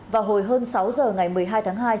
vào hồi hơn sáu giờ ngày một mươi hai tháng hai